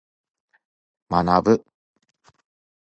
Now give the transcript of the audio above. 学ぶ。